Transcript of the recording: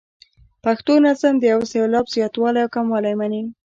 پښتو نظم د یو سېلاب زیاتوالی او کموالی مني.